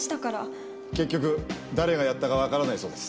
結局誰がやったかわからないそうです。